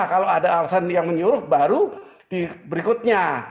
kalau ada alasan yang menyuruh baru berikutnya